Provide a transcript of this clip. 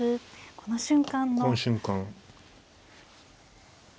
この瞬間。